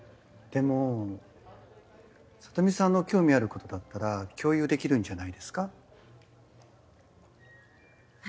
でもサトミさんの興味あることだったら共有できるんじゃないですか？